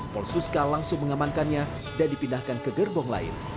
polsuska langsung mengamankannya dan dipindahkan ke gerbong lain